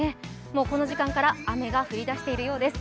もうこの時間から雨が降り出しているようです。